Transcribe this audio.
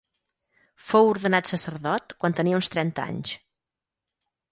Fou ordenat sacerdot quan tenia uns trenta anys.